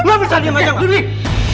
lo bisa diem aja nggak